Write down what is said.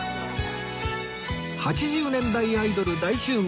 ８０年代アイドル大集合！